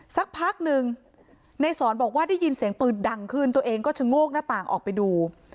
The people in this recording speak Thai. สักพักหนึ่งในสอนบอกว่าได้ยินเสียงปืนดังขึ้นตัวเองก็ชะโงกหน้าต่างออกไปดู